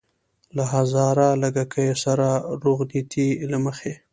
له هزاره لږکیو سره روغنيتۍ له مخې.